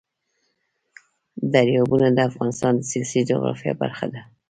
دریابونه د افغانستان د سیاسي جغرافیه برخه ده.